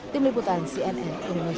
tim liputan cnn indonesia